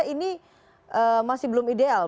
ini masih belum ideasi